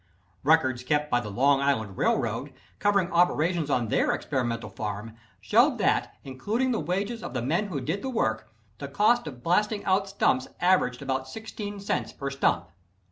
Records kept by the Long Island Railroad, covering operations on their Experimental Farm, showed that, including the wages of the men who did the work, the cost of blasting out stumps averaged about 16 cents per stump.